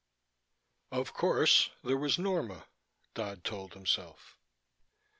15 Of course there was Norma, Dodd told himself.